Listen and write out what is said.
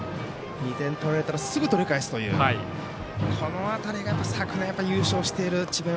２点取られたらすぐ取り返すというこの辺りが昨年優勝している智弁